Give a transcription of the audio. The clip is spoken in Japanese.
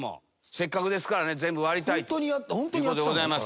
せっかくですから全部割りたいということです。